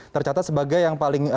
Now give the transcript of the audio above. tercatat sebagai yang paling